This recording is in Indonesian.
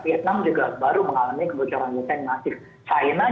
vietnam juga baru mengalami kebocoran data yang masif